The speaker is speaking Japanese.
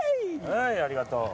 はいありがとう。